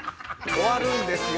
終わるんですよ！